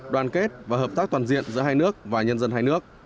đoàn kết và hợp tác toàn diện giữa hai nước và nhân dân hai nước